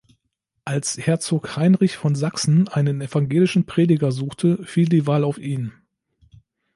Als Herzog Heinrich von Sachsen einen evangelischen Prediger suchte, fiel die Wahl auf ihn.